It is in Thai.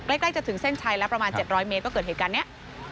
ใกล้จะถึงเส้นชัยแล้วประมาณ๗๐๐เมตรก็เกิดเหตุการณ์นี้